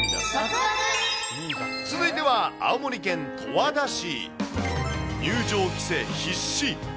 続いては青森県十和田市。